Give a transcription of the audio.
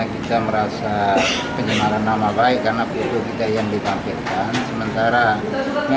kita sebagai sarat atau perantaralah